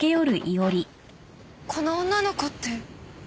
この女の子って。